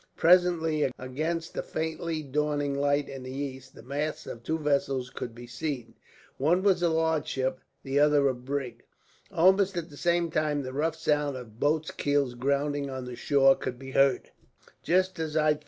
Presently, against the faintly dawning light in the east, the masts of two vessels could be seen. One was a large ship, the other a brig. Almost at the same time the rough sound of boats' keels grounding on the shore could be heard. "Just as I thought," the captain whispered.